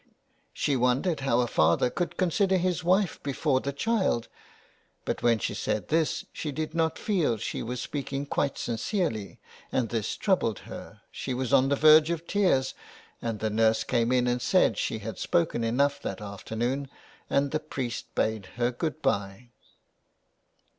She wondered how a father could consider his wife before the child, but when she said this she did not feel she was speaking quite sincerely, and this troubled her ; she was on the verge of tears, and the nurse came in and said she had spoken enough that after noon, and the priest bade her good bye.